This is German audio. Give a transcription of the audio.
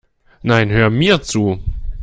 Nein, hör mir zu!